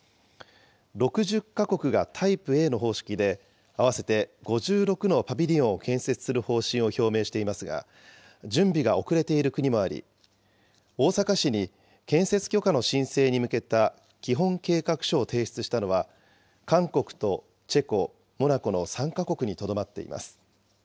６０か国がタイプＡの方式で、合わせて５６のパビリオンを建設する方針を表明していますが、準備が遅れている国もあり、大阪市に建設許可の申請に向けた基本計画書を提出したのは、韓国とチェコ、モナコの３か国にとどまっています。